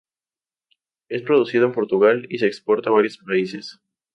Es producido en Portugal y se exporta a varios países.